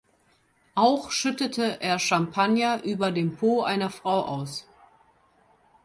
Auch schüttet er Champagner über dem Po einer Frau aus.